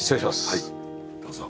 はいどうぞ。